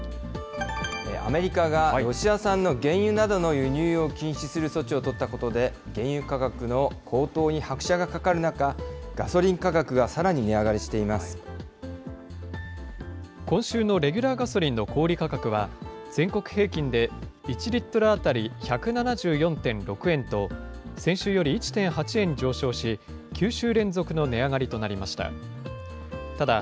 アメリカがロシア産の原油などの輸入を禁止する措置を取ったことで、原油価格の高騰に拍車がかかる中、ガソリン価格がさらに値上今週のレギュラーガソリンの小売り価格は、全国平均で１リットル当たり１７４．６円と先週より１．８円上昇し、９週連続の値上がりとなりました。